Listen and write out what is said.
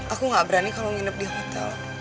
aku gak berani kalau nginep di hotel